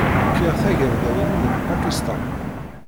Kkiɣ tagerda-inu deg Pakistan.